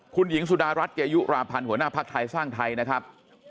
คุณหญิงสุดารัฐเกยุราพันธ์หัวหน้าภักดิ์ไทยสร้างไทยนะครับ